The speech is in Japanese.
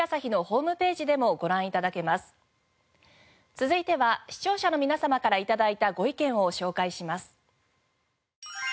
続いては視聴者の皆様から頂いたご意見を紹介します。